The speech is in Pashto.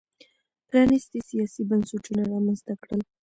پرانیستي سیاسي بنسټونه رامنځته کړل.